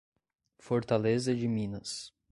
Fortaleza de Minas